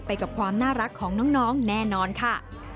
ไปกับความน่ารักของน้องแน่นอนค่ะ